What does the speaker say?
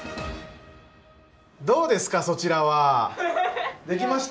どうですかそちらは？出来ました？